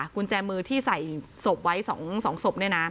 กุญแจมือที่ใส่ศพไว้๒ศพ